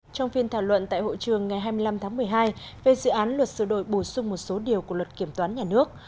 trong phiên thảo luận tại hội trường ngày hai mươi năm tháng một mươi hai về dự án luật sửa đổi bổ sung một số điều của luật kiểm toán nhà nước